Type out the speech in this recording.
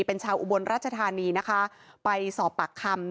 เป็นชาวอุบลราชธานีนะคะไปสอบปากคำ